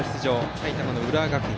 埼玉の浦和学院。